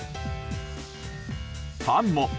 ファンも。